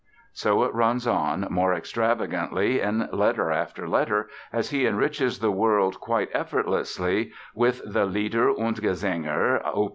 So it runs on, more extravagantly in letter after letter, as he enriches the world quite effortlessly with the "Lieder und Gesänge", Op.